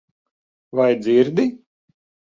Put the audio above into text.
Vai dzirdi?